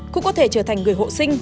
cũng có thể trở thành người hộ sinh